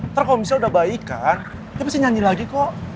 ntar kalau misalnya udah baik kan dia mesti nyanyi lagi kok